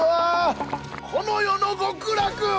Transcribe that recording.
この世の極楽！